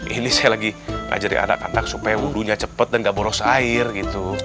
ini saya lagi ngajari anak anak supaya wudhunya cepat dan gak boros air gitu